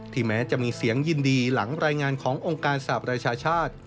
แม้จะมีเสียงยินดีหลังรายงานขององค์การสาปราชาชาติ